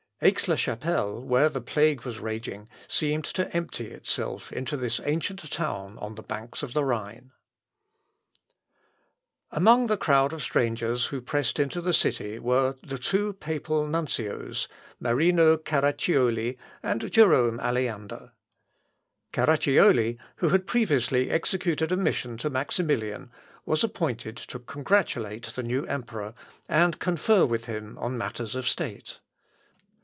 Aix la Chapelle, where the plague was raging, seemed to empty itself into this ancient town on the banks of the Rhine. [Sidenote: THE NUNCIO ALEANDER.] Among the crowd of strangers who pressed into the city were the two papal nuncios, Marino Carracioli and Jerome Aleander. Carracioli, who had previously executed a mission to Maximilian, was appointed to congratulate the new emperor, and confer with him on matters of state.